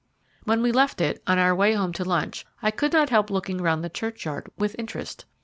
When we left it, on our way home to lunch, I could not help looking round the churchyard with interest.